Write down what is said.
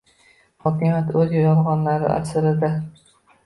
Hokimiyat o‘z yolg‘onlari asiridir